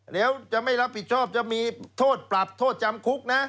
แล้วจะไม่รับผิดชอบจะมีโทษปรับโทษจำคุกนะ